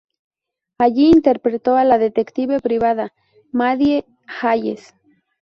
Allí interpretó a la detective privada Maddie Hayes.